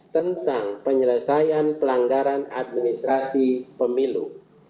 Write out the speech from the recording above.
tentang penyelesaian pelanggaran administrasi pemilu